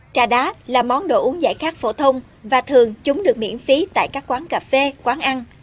trà đá là món đồ uống giải khát phổ thông và thường chúng được miễn phí tại các quán cà phê quán ăn